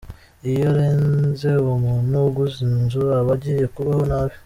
Iyo arenze, uwo muntu uguze inzu, aba agiye kubaho nabi.